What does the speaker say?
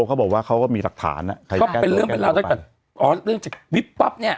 เขาบอกว่าเขาก็มีหลักฐานก็เป็นเรื่องเป็นราวตั้งแต่อ๋อเรื่องจากวิบปั๊บเนี่ย